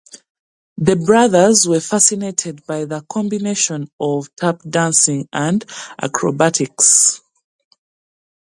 The brothers were fascinated by the combination of tap dancing and acrobatics.